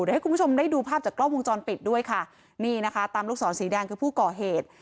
เดี๋ยวให้คุณผู้ชมได้ดูภาพจากกล้องวงจรปิดด้วยค่ะนี่นะคะตามลูกศรสีแดงคือผู้ก่อเหตุ